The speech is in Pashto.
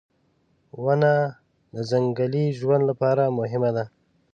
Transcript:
• ونه د ځنګلي ژوند لپاره مهمه ده.